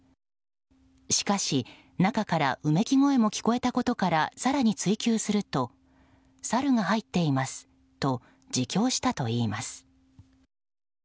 しかし、中からうめき声も聞こえたことから更に追及するとサルが入っていますと自供したといいます。